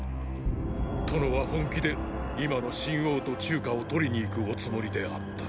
殿は本気で今の秦王と中華を獲りに行くおつもりであった。